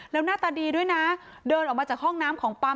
แล้วหน้าตาดีด้วยนะเดินออกมาจากห้องน้ำของปั๊ม